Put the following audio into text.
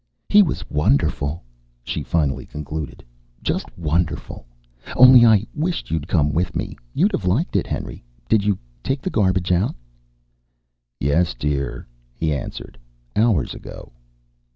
"He was wonderful," she finally concluded. "Just wonderful. Only I wished you'd come with me. You'd have liked it. Henry, did you take the garbage out?" "Yes, dear," he answered. "Hours ago."